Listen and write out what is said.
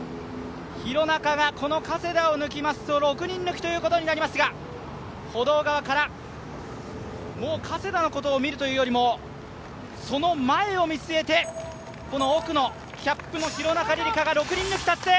廣中がこの加世田を抜きますと６人抜きということになりますが、歩道側から、加世田のことを見るというよりも、その前を見据えて奥のキャップの廣中璃梨佳が６人抜き達成。